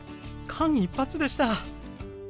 間一髪でした。